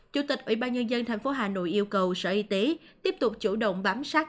chủ tịch ủy ban nhân dân tp hà nội yêu cầu sở y tế tiếp tục chủ động bám sát